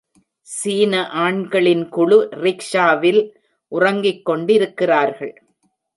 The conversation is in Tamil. சீன ஆண்களின்குழு ரிக்ஷாவில் உறங்கிக்கொண்டிருக்கிறார்கள்.